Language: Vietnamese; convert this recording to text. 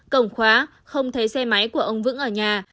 cổng khóa không thấy xe máy của ông vững ở nhà